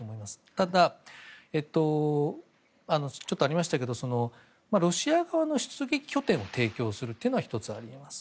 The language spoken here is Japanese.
ただ、ちょっとありましたけどロシア側の出撃拠点を提供するというのは１つあると思います。